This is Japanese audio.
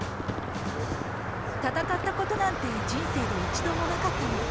戦ったことなんて人生で一度もなかったの。